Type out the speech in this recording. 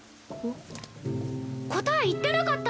答え言ってなかった！